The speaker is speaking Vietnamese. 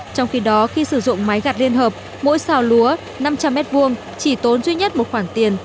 trong khi đó khi sử dụng máy gặt liên hợp mỗi xào lúa năm trăm linh m hai chỉ tốn duy nhất một khoản tiền